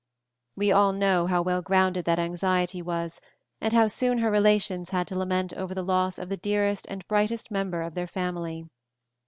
We all know how well grounded that anxiety was, and how soon her relations had to lament over the loss of the dearest and brightest member of their family.